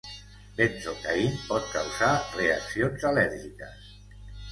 Benzocaine pot causar reaccions al·lèrgiques.